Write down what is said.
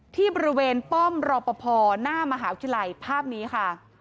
ที่บริเวณป้อมรอปภหน้ามหาวิทยาลัยภาพนี้ค่ะ